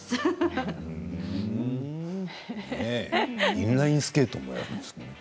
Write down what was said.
インラインスケートもやるんですね。